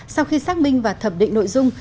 sau khi xác minh và thập định nội dung